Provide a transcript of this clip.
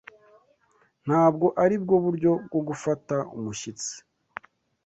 Ntabwo aribwo buryo bwo gufata umushyitsi.